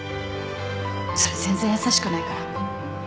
それ全然優しくないから。